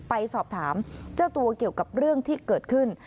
ไปสอบถามเจ้าตัวเกี่ยวกับเรื่องที่เกิดขึ้น